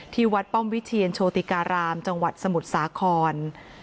วัดป้อมวิเทียนโชติการามจังหวัดสมุทรสาคร